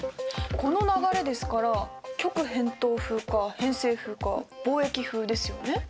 この流れですから極偏東風か偏西風か貿易風ですよね。